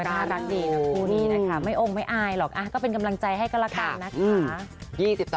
น่ารักดีนะคู่นี้นะคะไม่องค์ไม่อายหรอกก็เป็นกำลังใจให้กันละกันนะคะ